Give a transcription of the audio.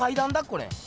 これ。